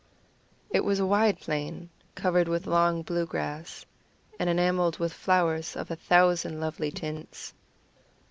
It was a wide plain, covered with long blue grass, and enamelled with flowers of a thousand lovely tints.